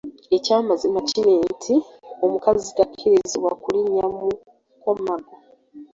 Ekyamazima kiri nti omukazi takkirizibwa kulinnya mu kkomago